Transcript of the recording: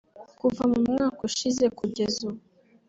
Kuva mu mwaka ushize kugeza ubu